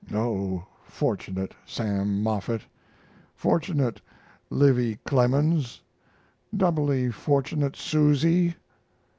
O fortunate Sam Moffett! fortunate Livy Clemens! doubly fortunate Susy!